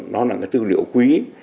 nó là cái tư liệu quý